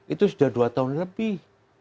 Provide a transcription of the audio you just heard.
itu sudah dua tahun lebih